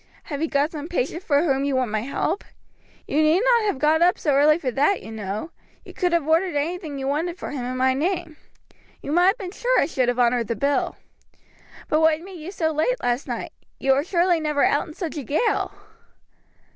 Have you got some patient for whom you want my help? You need not have got up so early for that, you know. You could have ordered anything you wanted for him in my name. You might have been sure I should have honored the bill. But what made you so late last night? You were surely never out in such a gale!"